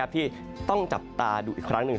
ที่ต้องจับตาดูอีกครั้งหนึ่ง